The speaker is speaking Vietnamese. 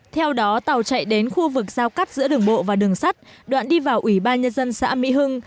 theo đó tàu chạy đến khu vực giao cắt giữa đường bộ và đường sắt đoạn đi vào ủy ban nhân dân xã mỹ hưng